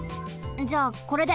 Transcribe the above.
じゃあこれで。